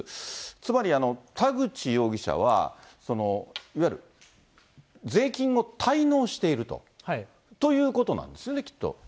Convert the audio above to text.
つまり、田口容疑者は、いわゆる税金を滞納しているということなんですよね、きっと。